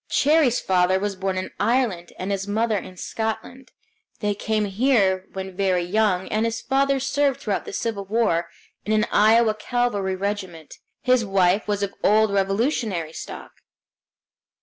Cherrie's father was born in Ireland, and his mother in Scotland; they came here when very young, and his father served throughout the Civil War in an Iowa cavalry regiment. His wife was of old Revolutionary stock.